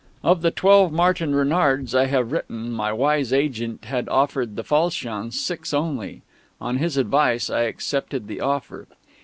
Of the twelve Martin Renards I had written, my wise agent had offered the Falchion six only. On his advice I accepted the offer.